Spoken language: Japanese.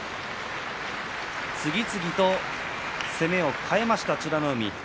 次々と攻めを変えました美ノ海です。